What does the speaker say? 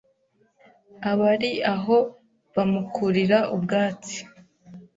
Abari aho bamukurira ubwatsi